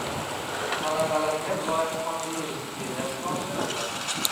Talabalarga viloyat hokimining stipendiyasi topshirildi